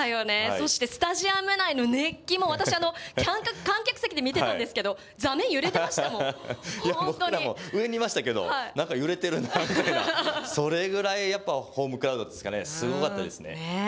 そしてスタジアム内の熱気も、私、観客席で見てたんですけど、座面、僕らも上にいましたけれども、なんか揺れてるなみたいな、それぐらいやっぱ、っていうんですかね、すごかったですね。